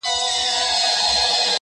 پرون مُلا وو کتاب پرانیستی٫